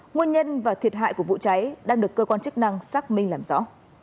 nguồn nhân và thiệt hại của vụ cháy đang được cơ quan chức năng xác minh làm rõ